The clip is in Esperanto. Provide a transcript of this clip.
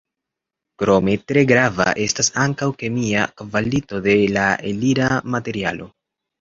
Krome, tre grava estas ankaŭ kemia kvalito de la elira materialo.